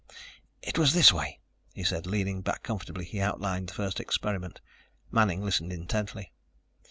"It was this way," he said. Leaning back comfortably he outlined the first experiment. Manning listened intently.